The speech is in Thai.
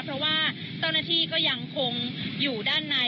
เพราะว่าเจ้าหน้าที่ก็ยังคงอยู่ด้านใน